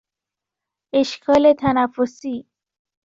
اشکال تنفسی